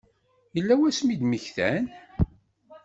Yella wasmi i d-mmektan?